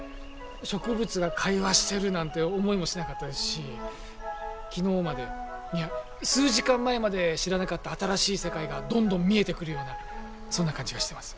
植物が会話してるなんて思いもしなかったですし昨日までいや数時間前まで知らなかった新しい世界がどんどん見えてくるようなそんな感じがしてます。